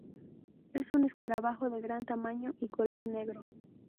Es un escarabajo de gran tamaño y color negro